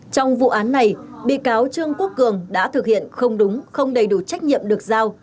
trong vụ án này bị cáo trương quốc cường đã thực hiện không đúng không đầy đủ trách nhiệm được giao